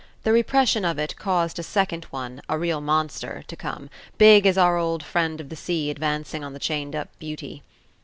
The repression of it caused a second one, a real monster, to come, big as our old friend of the sea advancing on the chained up Beauty.